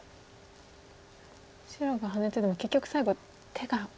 白がハネツイでも結局最後手が。